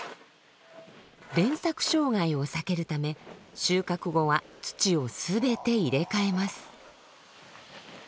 連作障害を避けるため収穫後は土を全て入れ替えます。